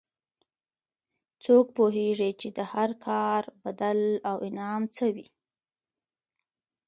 څوک پوهیږي چې د هر کار بدل او انعام څه وي